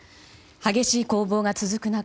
激しい攻防が続く中